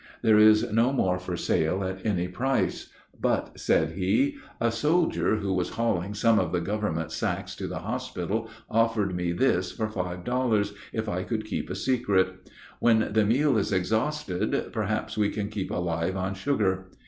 There is no more for sale at any price; but, said he, "a soldier who was hauling some of the Government sacks to the hospital offered me this for five dollars, if I could keep a secret. When the meal is exhausted, perhaps we can keep alive on sugar.